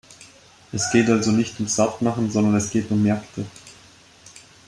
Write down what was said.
Es geht also nicht ums Sattmachen, sondern es geht um Märkte.